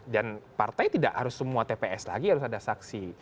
dan partai tidak harus semua tps lagi harus ada saksi